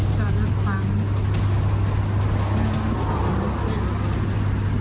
จอดหลักฟัง